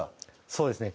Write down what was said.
そうですね